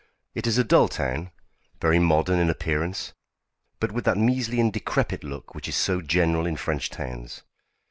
It is a dull town, very modern in appearance, but with that measly and decrepit look which is so general in French towns.